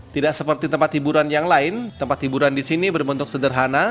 tidak seperti tempat hiburan yang lain tempat hiburan di sini berbentuk sederhana